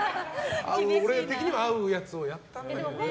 俺的には合うやつをやったんだけど。